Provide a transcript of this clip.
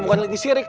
bukan eling di sirik